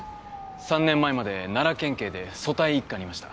３年前まで奈良県警で組対一課にいました。